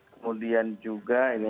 kemudian juga ini